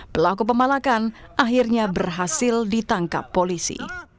pelaku pemalakan akhirnya berhasil ditangkap polisi